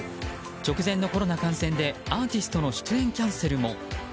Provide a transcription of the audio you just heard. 直前のコロナ感染でアーティストの出演キャンセルも。